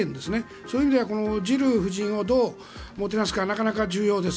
そういう意味ではジル夫人をどうもてなすかなかなか重要です。